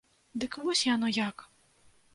Дык вось яно як!